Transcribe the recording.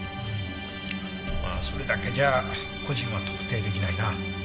まあそれだけじゃ個人は特定出来ないな。